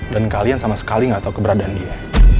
dan kalian sama sekali gak tau keberadaan dia